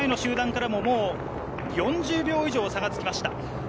前の集団からももう４０秒以上差がつきました。